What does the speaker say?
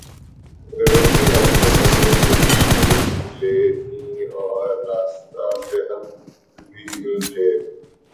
روٹی ہم نے سے پہل خرید لیں تھیں اور راستہ سےانڈ بھی ل تھے